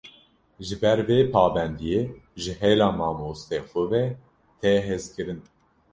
Ji ber vê pabendiyê, ji hêla mamoste xwe ve, tê hezkirin